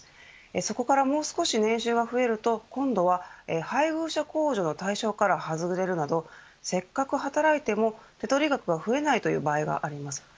そこからもう少し年収が増えると今度は配偶者控除の対象から外れるなどせっかく働いても手取り額が増えない場合があります。